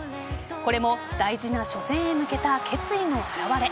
これも大事な初戦へ向けた決意の表れ。